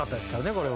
これは。